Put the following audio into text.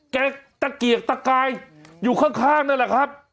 แก๊กตะกิกตะกายอยู่ข้างนั่นแหละครับ